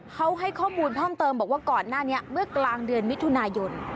เขาให้ข้อมูลเพิ่มเติมบอกว่าก่อนหน้านี้เมื่อกลางเดือนมิถุนายน